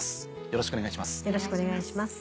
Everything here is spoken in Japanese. よろしくお願いします。